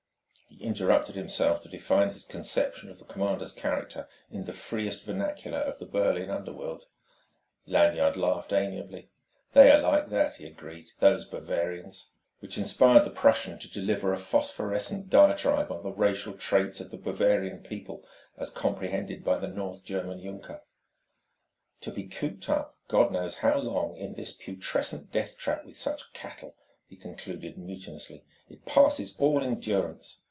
He interrupted himself to define his conception of the commander's character in the freest vernacular of the Berlin underworld. Lanyard laughed amiably. "They are like that," he agreed "those Bavarians!" Which inspired the Prussian to deliver a phosphorescent diatribe on the racial traits of the Bavarian people as comprehended by the North German junker. "To be cooped up God knows how long in this putrescent death trap with such cattle," he concluded mutinously "it passes all endurance!"